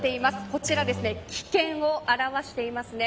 こちら危険を表していますね。